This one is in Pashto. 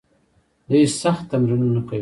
دوی سخت تمرینونه کوي.